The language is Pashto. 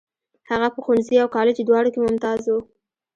هغه په ښوونځي او کالج دواړو کې ممتاز و.